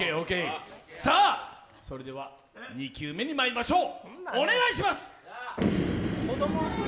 それでは２球目にまいりましょう。